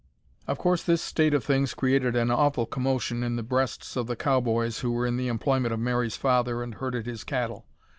Of course this state of things created an awful commotion in the breasts of the cow boys who were in the employment of Mary's father and herded his cattle.